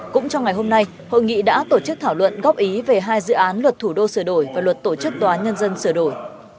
cũng trong ngày hôm nay hội nghị đã tổ chức thảo luận góp ý về hai dự án luật thủ đô sửa đổi và luật tổ chức tòa nhân dân sửa đổi